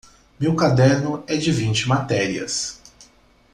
Meu caderno é de vinte matérias.